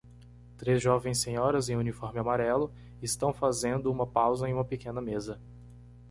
Três jovens senhoras em uniforme amarelo estão fazendo uma pausa em uma pequena mesa.